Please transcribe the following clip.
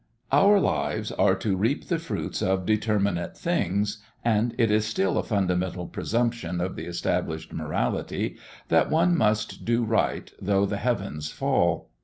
Our lives are to reap the fruits of determinate things, and it is still a fundamental presumption of the established morality that one must do right though the heavens fall.